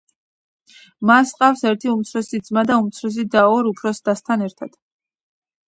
მას ჰყავს ერთი უმცროსი ძმა და უმცროსი და ორ უფროს დასთან ერთად.